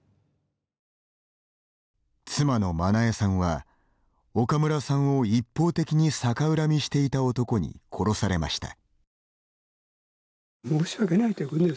妻の眞苗さんは、岡村さんを一方的に逆恨みしていた男に殺されました。